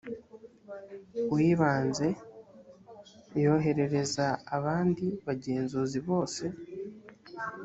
w ibanze yoherereza abandi bagenzuzi bose